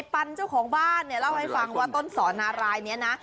ปันเจ้าของบ้านเนี่ยเล่าให้ฟังว่าต้นสอนารายนี้นะ